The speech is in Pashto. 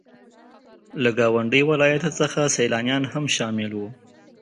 له ګاونډيو ولاياتو څخه سيلانيان هم شامل وو.